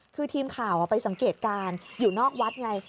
คือทีมข่าวไปสังเกตการณ์อยู่นอกวัดไง